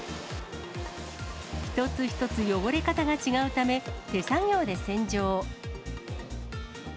一つ一つ汚れ方が違うため、手作業で洗浄。